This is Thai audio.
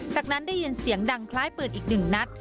จากนั้นได้ยินเสียงดังคล้ายปืนอีกหนึ่งนัด